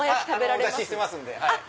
お出ししてますんで。